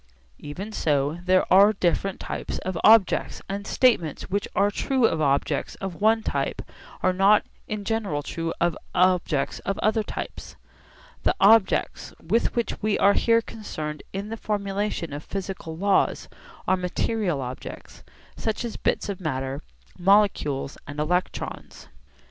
Even so, there are different types of objects, and statements which are true of objects of one type are not in general true of objects of other types. The objects with which we are here concerned in the formulation of physical laws are material objects, such as bits of matter, molecules and electrons.